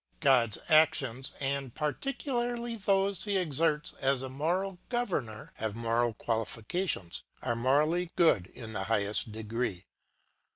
God's actions, and particularly those which he exerts as a moral governor, have moral qualifications, are morally good in the highest degree.